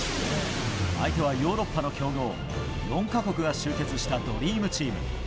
相手はヨーロッパの強豪４か国が集結したドリームチーム。